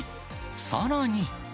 さらに。